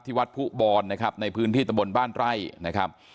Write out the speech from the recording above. วัดผู้บอนนะครับในพื้นที่ตะบนบ้านไร่นะครับ